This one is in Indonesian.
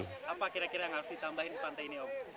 apa kira kira yang harus ditambahin di pantai ini om